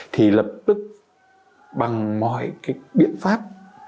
thì lập tức bằng mọi cái biện pháp